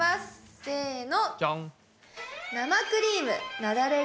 せの。